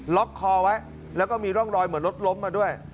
ล็อกคอไว้แล้วก็มีร่องรอยเหมือนรถล้มมาด้วย